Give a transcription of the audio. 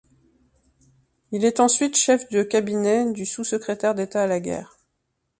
Il est ensuite chef de cabinet du sous-secrétaire d’État à la Guerre.